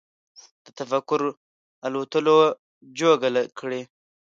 د تفکر الوتلو جوګه کړي